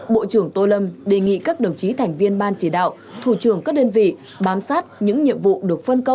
bộ trưởng tô lâm đề nghị các đồng chí thành viên ban chỉ đạo thủ trưởng các đơn vị bám sát những nhiệm vụ được phân công